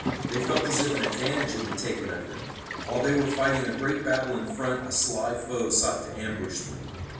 They felt as if an advantage had been taken of them. While they were fighting a great battle in front a sly foe sought to ambush them.